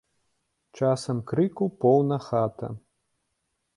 Часам крыку поўна хата.